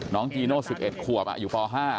น้องจีโน่๑๑ขวบอยู่ฟ๕